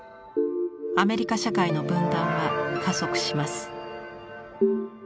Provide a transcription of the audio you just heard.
アメリカ社会の分断は加速します。